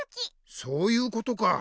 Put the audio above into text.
そういうことか。